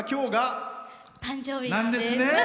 誕生日なんです。